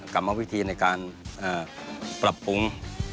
กรรมวิธีในการปรับปรุง